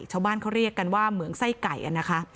ชาวบ้านเขาเรียกกันว่าเหมืองไส้ไก่นะคะ